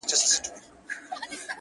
رڼا ترې باسم له څراغه ؛